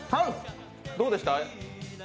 どうでした？